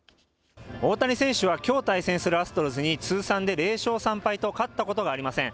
大谷選手はきょう対戦するアストロズに通算で０勝３敗と勝ったことがありません。